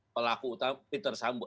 pelaku utama peter sambu